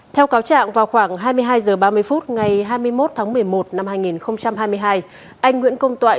theo cáo trạng vào khoảng hai mươi hai h ba mươi phút ngày hai mươi một tháng một mươi một năm hai nghìn hai mươi hai anh nguyễn công toại